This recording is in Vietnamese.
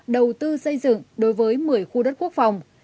đầu tư xây dựng đối với một mươi khu đất quốc phòng